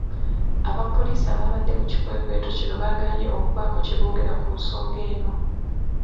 Abapoliisi ababadde mu kikwekweto kino bagaanye okubaako kye boogera ku nsonga eno.